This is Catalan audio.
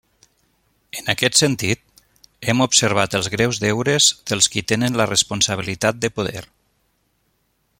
En aquest sentit, hem observat els greus deures dels qui tenen la responsabilitat de poder.